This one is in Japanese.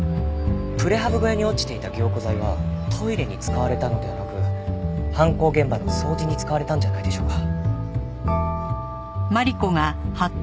プレハブ小屋に落ちていた凝固剤はトイレに使われたのではなく犯行現場の掃除に使われたんじゃないでしょうか？